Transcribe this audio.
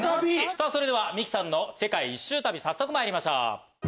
それでは三木さんの世界一周旅早速まいりましょう。